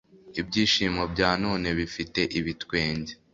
Ibyishimo bya none bifite ibitwenge